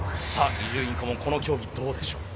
伊集院顧問この競技どうでしょう。